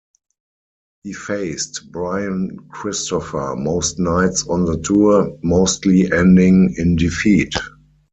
He faced Brian Christopher most nights on the tour, mostly ending in defeat.